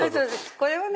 これはね